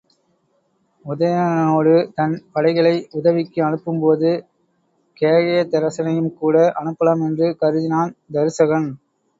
உதயணனுடனே தன் படைகளை உதவிக்கு அனுப்பும்போது கேகயத்தரசனையும்கூட அனுப்பலாம் என்று கருதினான் தருசகன்.